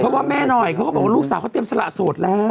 เพราะว่าแม่หน่อยเขาก็บอกว่าลูกสาวเขาเตรียมสละโสดแล้ว